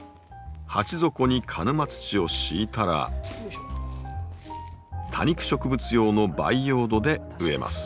鉢底に鹿沼土を敷いたら多肉植物用の培養土で植えます。